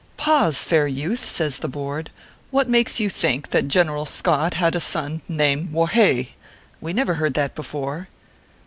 "Pause, fair youth," says the Board. "What makes you think that General Scott had a son named Whahae ? We never heard that before."